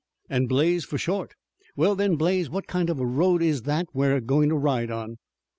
"An' Blaze for short. Well, then, Blaze, what kind of a road is that we're goin' to ride on?"